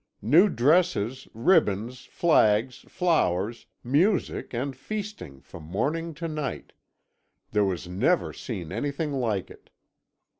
New dresses, ribbons, flags, flowers, music and feasting from morning to night there was never seen anything like it.